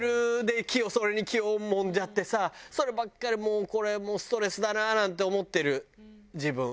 それに気をもんじゃってさそればっかりもうこれもうストレスだななんて思ってる自分。